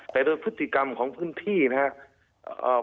แต่โดยพฤติกรรมของพื้นที่นะครับ